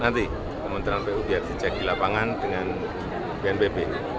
nanti kementerian pu biar dicek di lapangan dengan bnpb